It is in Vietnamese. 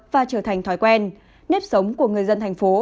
và trở thành thói quen nếp sống của người dân thành phố